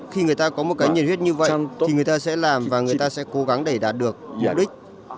khi người ta có một cái nhiệt huyết như vậy thì người ta sẽ làm và người ta sẽ cố gắng để đạt được mục đích